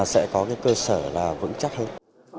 sẽ có cái cơ sở là vững chắc hơn